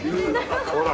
ほら！